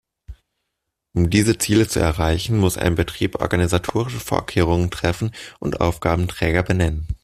Um diese Ziele zu erreichen, muss ein Betrieb organisatorische Vorkehrungen treffen und Aufgabenträger benennen.